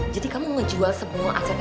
jadi kamu ngejual semua asetnya